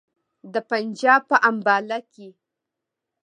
د پنجاب په امباله کې.